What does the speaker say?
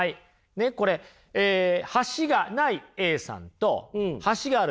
ねっこれ橋がないＡさんと橋があるＢさん